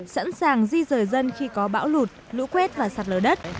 sẵn sàng di rời dân khi có bão lụt lũ quét và sạt lở đất